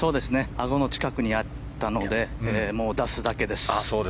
あごの近くにあったのでもう出すだけです。